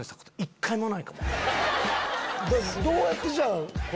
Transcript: どうやってじゃあ。